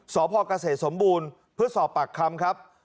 สพเกษตรสมบูรณ์เพื่อสอบปากคำครับ